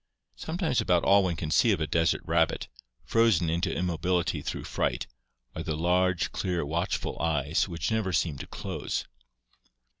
Sometimes about all one can see of a desert rabbit, frozen into immobility through fright, are the large, clear, watchful eyes which never seem to close.